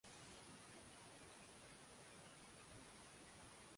Huruma nao hauna, heshima kawakosea,